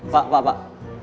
pak pak pak